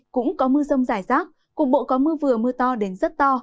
cũng có mưa rông giải rác cùng bộ có mưa vừa mưa to đến rất to